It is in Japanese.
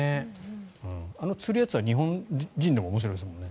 あの釣るやつは日本人でも面白いですよね。